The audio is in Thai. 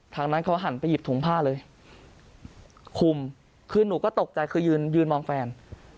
ทางนั้นเขาหันไปหยิบถุงผ้าเลยคุมคือหนูก็ตกใจคือยืนยืนมองแฟน